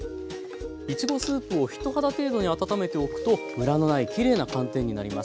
いちごスープを人肌程度に温めておくとムラのないきれいな寒天になります。